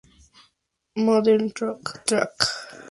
Modern Rock Track.